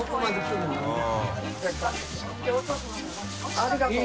ありがとう。